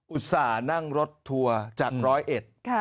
ต่านั่งรถทัวร์จากร้อยเอ็ด